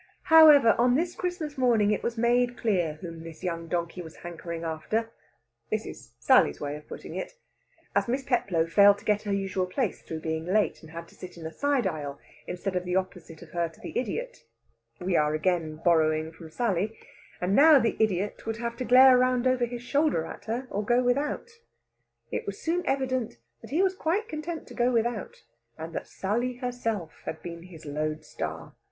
However, on this Christmas morning it was made clear whom this young donkey was hankering after this is Sally's way of putting it as Miss Peplow failed to get her usual place through being late, and had to sit in a side aisle, instead of the opposite of her to the idiot we are again borrowing from Sally and now the Idiot would have to glare round over his shoulder at her or go without! It was soon evident that he was quite content to go without, and that Sally herself had been his lode star.